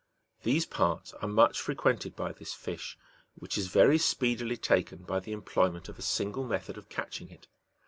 These parts are much frequented by this fish, which is very speedily taken by the employment of a single method of catching it.